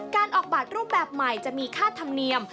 การออกบัตรรูปแบบใหม่จะมีค่าธรรมเนียม